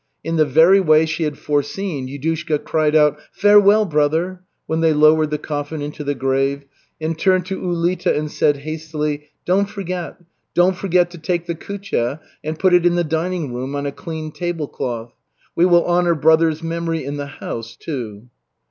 In the very way she had foreseen Yudushka cried out, "Farewell, brother!" when they lowered the coffin into the grave, and turned to Ulita and said hastily: "Don't forget don't forget to take the kutya, and put it in the dining room on a clean table cloth. We will honor brother's memory in the house, too."